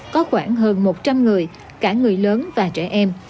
có khoảng hơn một trăm linh người cả người lớn và trẻ em